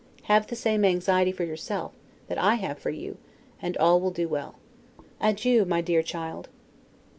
Have the same anxiety for yourself, that I have for you, and all will do well. Adieu! my dear child.